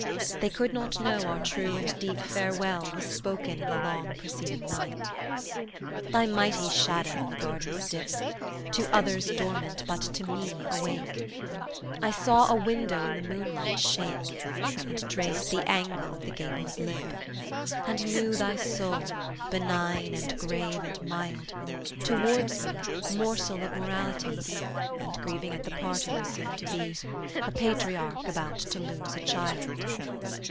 They could not know our true and deep farewell Was spoken in the long preceding night. Thy mighty shadow in the garden's dip! To others dormant, but to me awake; I saw a window in the moonlight shake, And traced the angle of the gable's lip, And knew thy soul, benign and grave and mild, Towards me, morsel of morality, And grieving at the parting soon to be, A patriarch about to lose a child.